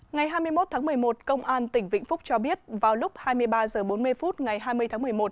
ngày hai mươi một tháng một mươi một công an tỉnh vĩnh phúc cho biết vào lúc hai mươi ba h bốn mươi phút ngày hai mươi tháng một mươi một